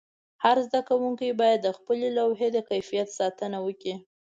هر زده کوونکی باید د خپلې لوحې د کیفیت ساتنه وکړي.